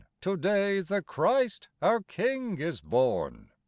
To day the Christ, our King, is born.